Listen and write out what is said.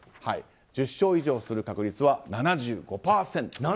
１０勝以上する確率は７５％。